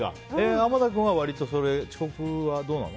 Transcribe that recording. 濱田君は遅刻はどうなの？